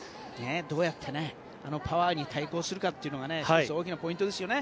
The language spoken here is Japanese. どうやってあのパワーに対抗するかというのがね１つ大きなポイントですよね。